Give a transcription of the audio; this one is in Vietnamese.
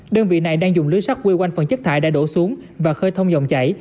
đơn vị này đang dùng lưới sắt quây quanh phần chất thải đã đổ xuống và khơi thông dòng chảy